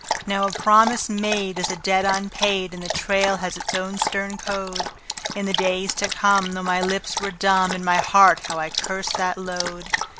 Now a promise made is a debt unpaid, and the trail has its own stern code. In the days to come, though my lips were dumb, in my heart how I cursed that load.